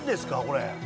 これ。